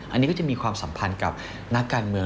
อันนี้ก็จะมีความสัมพันธ์กับนักการเมือง